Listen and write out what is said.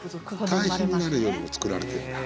対比になるようにも作られてるんだ。